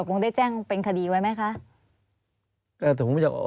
คงได้แจ้งเป็นคดีไว้ไหมคะ